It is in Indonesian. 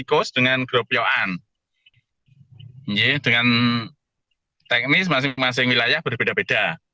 dengan teknis masing masing wilayah berbeda beda